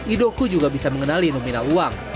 idoku juga bisa mengenali nominal uang